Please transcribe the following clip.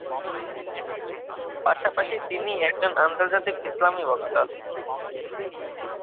পাশাপাশি তিনি একজন আন্তর্জাতিক ইসলামি বক্তা।